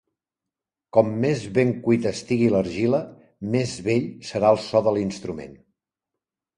Com més ben cuita estigui l'argila, més bell serà el so de l'instrument.